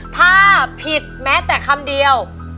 ถ้าผิดแม้แต่คำเดียว